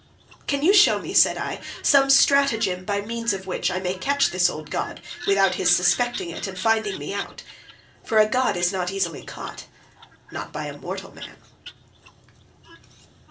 "'Can you show me,' said I, 'some stratagem by means of which I may catch this old god without his suspecting it and finding me out? For a god is not easily caught—not by a mortal man.